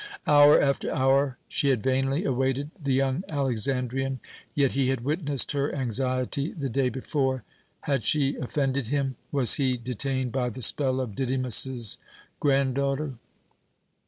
Hour after hour she had vainly awaited the young Alexandrian, yet he had witnessed her anxiety the day before. Had she offended him? Was he detained by the spell of Didymus's granddaughter?